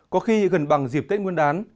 có khi gần bằng dịp tết nguyên đán